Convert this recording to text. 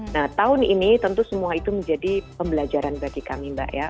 nah tahun ini tentu semua itu menjadi pembelajaran bagi kami mbak ya